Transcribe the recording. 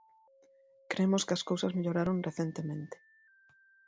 Cremos que as cousas melloraron recentemente.